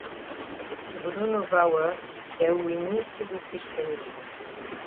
Bruno Bauer e o Início do Cristianismo